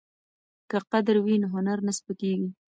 که قدر وي نو هنر نه سپکیږي.